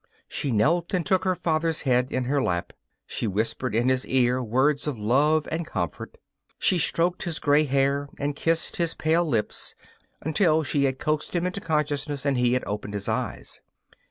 She knelt and took her father's head in her lap. She whispered in his ear words of love and comfort. She stroked his gray hair and kissed his pale lips until she had coaxed him into consciousness and he had opened his eyes.